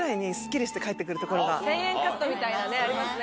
１０００円カットみたいなねありますね。